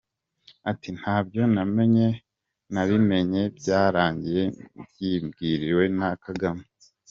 Ati ntabyo namenye nabimenye byarangiye mbyibwiriwe na Kagame!